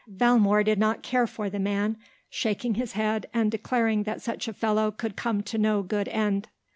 Valmore did not care for the man, shaking his head and declaring that such a fellow could come to no good end.